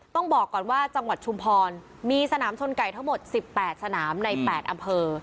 ต้องบอกก่อนว่าจังหวัดชุมพรมีสนามชนไก่ทั้งหมด๑๘สนามใน๘อำเภอ